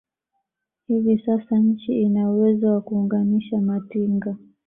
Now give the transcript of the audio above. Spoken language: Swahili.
Hivi sasa nchi ina uwezo wa kuunganisha matinga